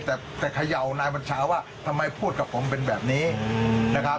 แต่เขย่านายบัญชาว่าทำไมพูดกับผมเป็นแบบนี้นะครับ